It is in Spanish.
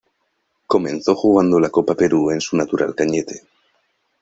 Comenzó jugando la Copa Perú en su natural Cañete.